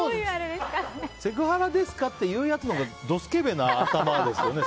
セクハラですかって言うやつのほうがドスケベですよね。